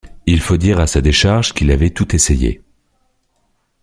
Il faut dire à sa décharge qu’il avait tout essayé.